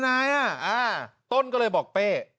นายต้นก็เลยบอกเป้